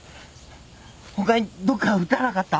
ほかにどっか打たなかった？